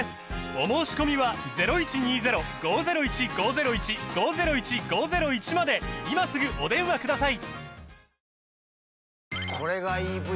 お申込みは今すぐお電話ください